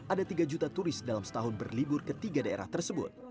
ada tiga juta turis dalam setahun berlibur ke tiga daerah tersebut